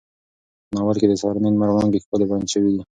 په ناول کې د سهارني لمر وړانګې ښکلې بیان شوې دي.